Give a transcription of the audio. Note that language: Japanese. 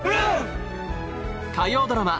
火曜ドラマ